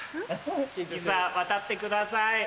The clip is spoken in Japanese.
さぁ渡ってください。